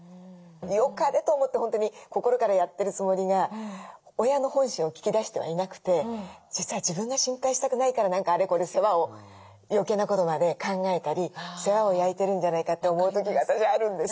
よかれと思って本当に心からやってるつもりが親の本心を聞き出してはいなくて実は自分が心配したくないから何かあれこれ世話を余計なことまで考えたり世話を焼いてるんじゃないかって思う時が私あるんです。